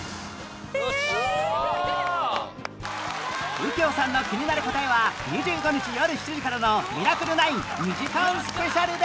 右京さんの気になる答えは２５日よる７時からの『ミラクル９』２時間スペシャルで！